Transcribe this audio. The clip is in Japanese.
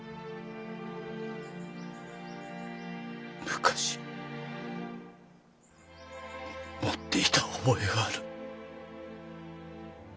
昔持っていた覚えがある。